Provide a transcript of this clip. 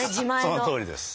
そのとおりです。